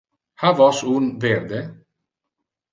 Ha vos un verde?